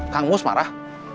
kang mus marah